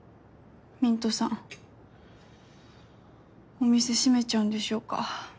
お店閉めちゃうんでしょうか。